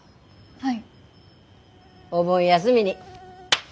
はい。